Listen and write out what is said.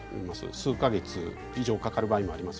数か月以上かかる場合があります。